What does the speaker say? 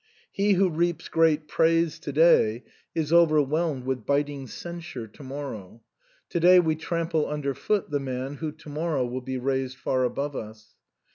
He who reaps great praise to day is SIGNOR FORMICA. 151 overwhelmed with biting censure to morrow; to day we trample under foot the man who to morrow will be raised far above us.